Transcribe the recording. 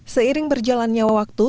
seiring berjalan nyawa waktu